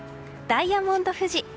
ダイヤモンド富士。